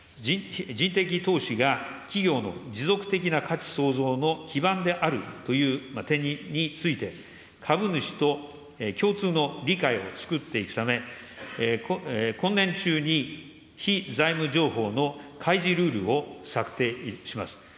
人的投資が企業の持続的な価値創造の基盤であるという点について、株主と共通の理解をつくっていくため、今年中に非財務情報の開示ルールを策定します。